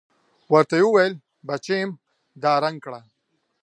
ورته يې وويل بچېم دا رنګ کړه.